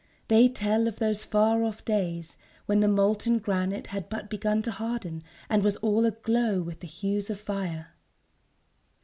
They tell of those far off days when the molten granite had but begun to harden, and was all aglow with the hues of fire.